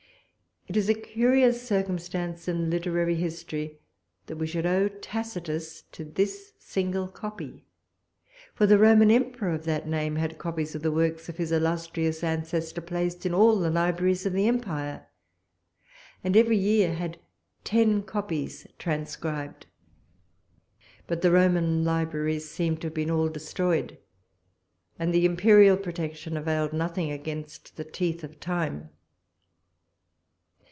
It is a curious circumstance in literary history, that we should owe Tacitus to this single copy; for the Roman emperor of that name had copies of the works of his illustrious ancestor placed in all the libraries of the empire, and every year had ten copies transcribed; but the Roman libraries seem to have been all destroyed, and the imperial protection availed nothing against the teeth of time.